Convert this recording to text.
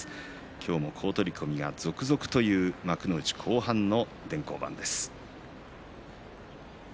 今日も好取組が続々という幕内の電光板です。